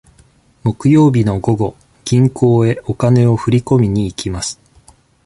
木曜日の午後、銀行へお金を振り込みに行きます。